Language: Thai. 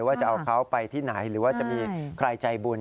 ว่าจะเอาเขาไปที่ไหนหรือว่าจะมีใครใจบุญ